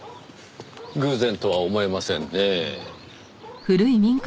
偶然とは思えませんねぇ。